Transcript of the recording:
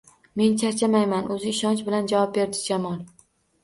Men charchamayman, o`ziga ishonch bilan javob berdi Jamol